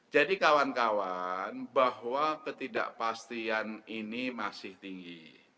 jadi kawan kawan bahwa ketidakpastian ini masih tinggi